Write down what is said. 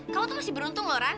kamu tuh masih beruntung loh ran